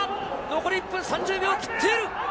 残り１分３０秒切っている。